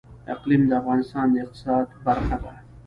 اقلیم د افغانستان د اقتصاد برخه ده.